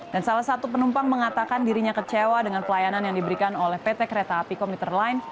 dan salah satu penumpang mengatakan dirinya kecewa dengan pelayanan yang diberikan oleh pt kereta api komuter line